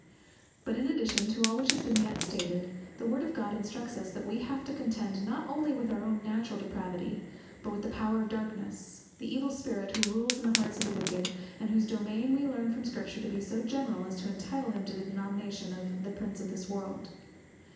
_ But in addition to all which has been yet stated, the word of God instructs us that we have to contend not only with our own natural depravity, but with the power of darkness, the Evil Spirit, who rules in the hearts of the wicked, and whose dominion we learn from Scripture to be so general, as to entitle him to the denomination of "the Prince of this world."